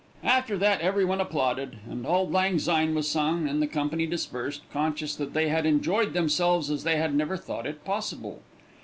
After that everyone applauded and "Auld Lang Syne" was sung and the company dispersed, conscious that they had enjoyed themselves as they had never thought it possible.